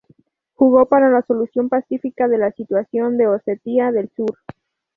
Jugó para la solución pacífica de la situación de Osetia del Sur.